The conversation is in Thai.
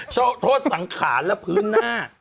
โทษโทษสังขารและพื้นหน้า